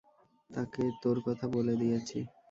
তাকে তোর কথা বলে দিয়েছি।